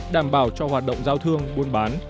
đảm bảo cho hoạt động giao thương buôn bán